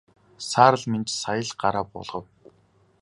Саарал Минж сая л гараа буулгав.